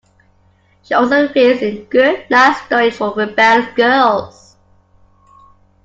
She also appears in "Good Night Stories for Rebel Girls".